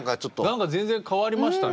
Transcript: なんか全然変わりましたね。